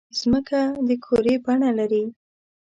مځکه د کُرې بڼه لري.